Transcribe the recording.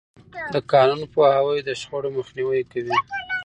د قانون پوهاوی د شخړو مخنیوی کوي.